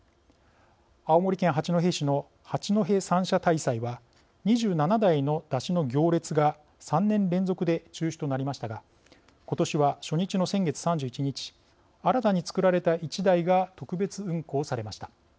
青森県八戸市の八戸三社大祭は２７台の山車の行列が３年連続で中止となりましたが今年は、初日の先月３１日新たに作られた１台が特別運行されました。